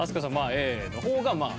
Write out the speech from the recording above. Ａの方がまあ。